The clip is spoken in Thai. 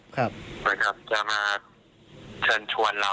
เขาจะมาชวนเรา